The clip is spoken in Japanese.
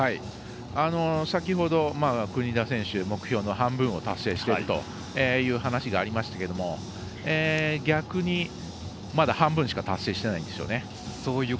先ほど、国枝選手目標の半分を達成してるという話がありましたけど逆にまだ半分しか達成していないんですよね。